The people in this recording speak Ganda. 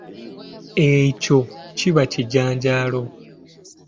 Ekyo kiba kijanjaalo.